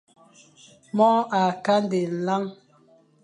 Mor a kandé nlan.